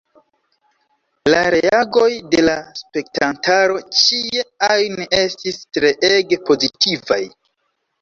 La reagoj de la spektantaro ĉie ajn estis treege pozitivaj.